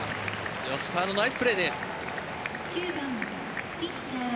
吉川のナイスプレーです。